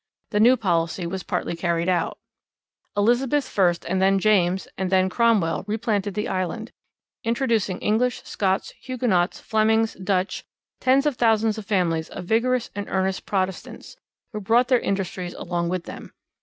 The new policy was partly carried out: Elizabeth first and then James and then Cromwell replanted the Island, introducing English, Scots, Hugonots, Flemings, Dutch, tens of thousands of families of vigorous and earnest Protestants, who brought their industries along with them.